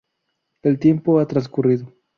El tiempo ha transcurrido.